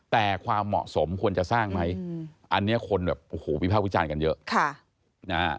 แต่ความเหมาะสมควรจะสร้างไหมอันนี้คนแบบโอ้โหวิภาควิจารณ์กันเยอะ